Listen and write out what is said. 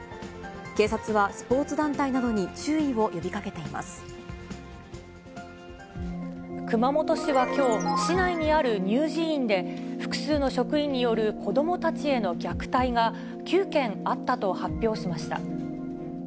警察はスポーツ団体などに注意を熊本市はきょう、市内にある乳児院で、複数の職員による子どもたちへの虐待が９件あったと発表しました。